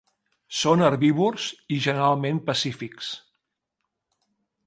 Són herbívors i generalment pacífics.